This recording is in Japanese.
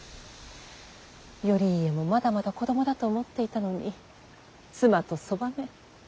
頼家もまだまだ子供だと思っていたのに妻とそばめ。